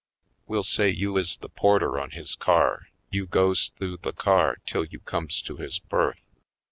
We'll say you is the porter on his car. You goes th'ough the car till you comes to his berth.